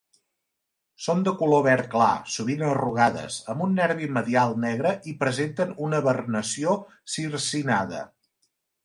Són de color verd clar, sovint arrugades, amb un nervi medial negre, i presenten una vernació circinada.